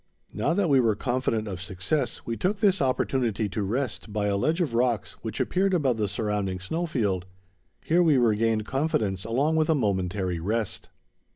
Now that we were confident of success, we took this opportunity to rest by a ledge of rocks which appeared above the surrounding snow field. Here we regained confidence along with a momentary rest.